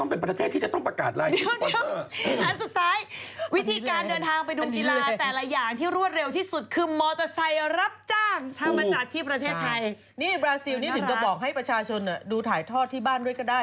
นี่บราซิลนี่ถึงจะบอกให้ประชาชนดูถ่ายทอดที่บ้านด้วยก็ได้